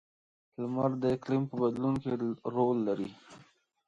• لمر د اقلیم په بدلون کې رول لري.